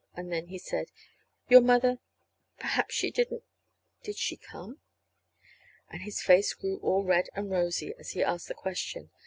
And then he said: "Your mother perhaps she didn't did she come?" And his face grew all red and rosy as he asked the question.